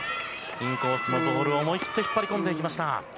インコースのボール、思い切って引っ張り込んできました。